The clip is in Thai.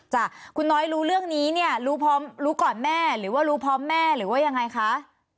คุณน้อยรู้เรื่องนี้เนี่ยรู้พร้อมรู้ก่อนแม่หรือว่ารู้พร้อมแม่หรือว่ายังไงคะ